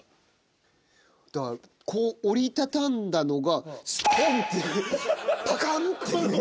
こう折り畳んだのがスポンってパカンっていう。